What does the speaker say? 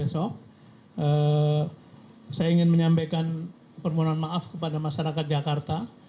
saya ingin menyampaikan permohonan maaf kepada masyarakat jakarta